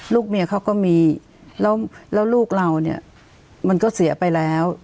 ลูกเมียเขาก็มีแล้วลูกเราเนี่ยมันก็เสียไปแล้ว